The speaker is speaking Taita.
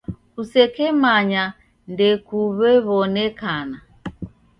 Kusekemanya ndekuw'ew'onekana.